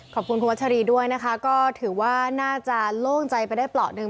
ขอบคุณคุณวัชรีด้วยนะคะก็ถือว่าน่าจะโล่งใจไปได้เปราะหนึ่ง